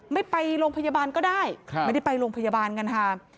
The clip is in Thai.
ไม่ไปโรงพยาบาลก็ได้ไม่ได้ไปโรงพยาบาลกันค่ะ